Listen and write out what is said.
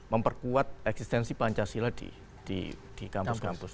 memperkuat eksistensi pancasila di kampus kampus